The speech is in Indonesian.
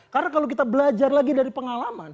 karena kalo kita belajar lagi dari pengalaman